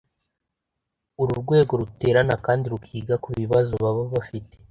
Uru rwego ruterana kandi rukiga kubibazo baba bafite